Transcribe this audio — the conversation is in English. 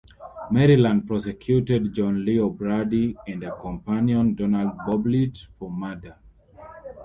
Maryland prosecuted John Leo Brady and a companion, Donald Boblit, for murder.